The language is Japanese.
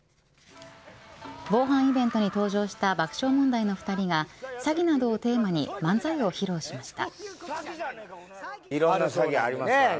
防犯イベントに登場した爆笑問題の２人が詐欺などをテーマに漫才を披露しました。